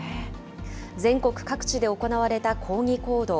全国各地で行われた抗議行動。